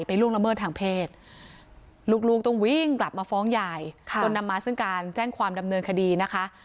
ล่วงละเมิดทางเพศลูกต้องวิ่งกลับมาฟ้องยายจนนำมาซึ่งการแจ้งความดำเนินคดีนะคะ